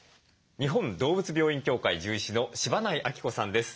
日本動物病院協会獣医師の柴内晶子さんです。